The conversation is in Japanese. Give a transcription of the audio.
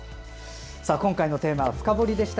今回のテーマは「深掘り」でした。